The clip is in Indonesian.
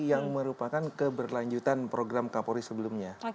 yang merupakan keberlanjutan program kapolri sebelumnya